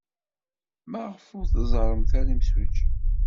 Maɣef ur tẓerremt ara imsujji?